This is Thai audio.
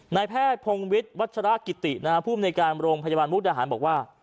นายแพทย์พงวิทย์วัชรกิติภูมิในการโรงพยาบาลมุกดาหารบอกว่า